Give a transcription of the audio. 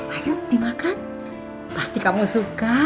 ayo dimakan pasti kamu suka